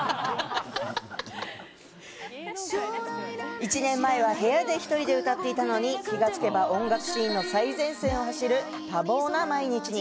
１年前は部屋で１人で歌っていたのに、気がつけば音楽シーンの最前線を走る多忙な毎日に。